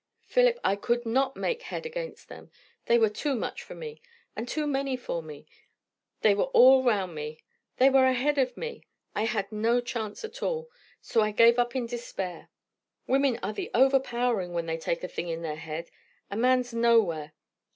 Philip, I could not make head against them. They were too much for me, and too many for me; they were all round me; they were ahead of me; I had no chance at all. So I gave up in despair. Women are the overpowering when they take a thing in their head! A man's nowhere.